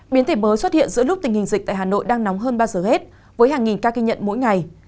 biến thể mới xuất hiện giữa lúc tình hình dịch tại hà nội đang nóng hơn bao giờ hết với hàng nghìn ca ghi nhận mỗi ngày